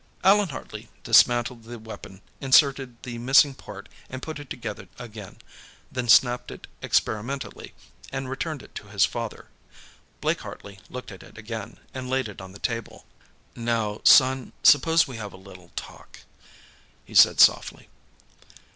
Allan Hartley dismantled the weapon, inserted the missing part, and put it together again, then snapped it experimentally and returned it to his father. Blake Hartley looked at it again, and laid it on the table. "Now, son, suppose we have a little talk," he said softly.